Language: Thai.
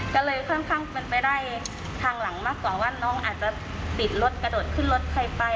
ก็เลยค่อนข้างเป็นไปได้ทางหลังมากกว่าว่าน้องอาจจะบิดรถกระโดดขึ้นรถใครไป